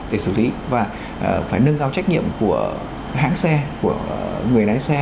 để xử lý và phải nâng cao trách nhiệm của hãng xe của người lái xe